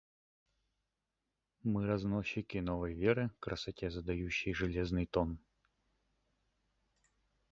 Мы разносчики новой веры, красоте задающей железный тон.